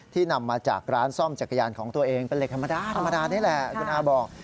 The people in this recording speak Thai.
นำมาจากร้านซ่อมจักรยานของตัวเองเป็นเหล็กธรรมดานี่แหละคุณอาบอก